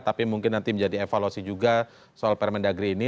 tapi mungkin nanti menjadi evaluasi juga soal permendagri ini